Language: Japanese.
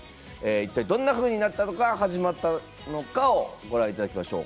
一体どんなふうになったのか始まったのかをご覧頂きましょう。